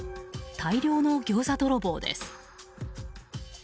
大量のギョーザ泥棒です。